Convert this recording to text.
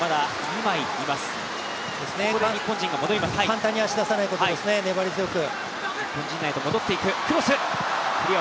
簡単に足を出さないことですね、粘り強く。